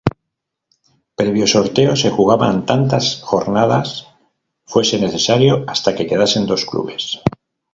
Previo sorteo, se jugaban tantas jornadas fuese necesario hasta que quedasen dos clubes.